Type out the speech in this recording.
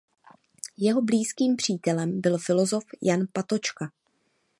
Jeho blízkým přítelem byl filozof Jan Patočka.